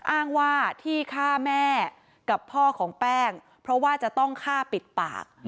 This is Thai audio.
อ้างว่าที่ฆ่าแม่กับพ่อของแป้งเพราะว่าจะต้องฆ่าปิดปาก